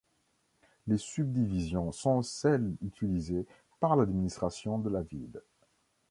Les subdivisions sont celles utilisées par l'administration de la ville.